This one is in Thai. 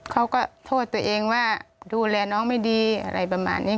เขาก็โทษตัวเองว่าดูแลน้องไม่ดีอะไรประมาณนี้